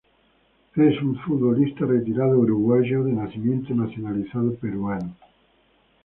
Es un futbolista retirado, uruguayo de nacimiento, nacionalizado peruano.